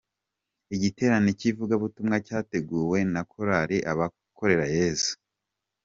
Igiterane cy'ivugabutumwa cyateguwe na korali Abakorerayesu.